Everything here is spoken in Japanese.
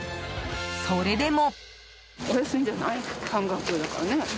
それでも。